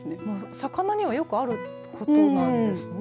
魚にはよくあることなんですね。